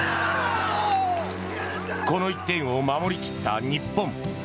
この１点を守り切った日本。